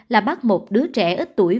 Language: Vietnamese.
là bắt một đứa trẻ ít tuổi